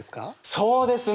そうですね！